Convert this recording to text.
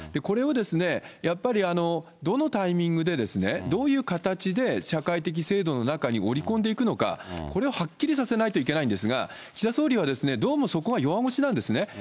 これを、やっぱりどのタイミングで、どういう形で社会的制度の中に織り込んでいくのか、これをはっきりさせないといけないんですが、岸田総理はどうもそこは弱腰なんですね。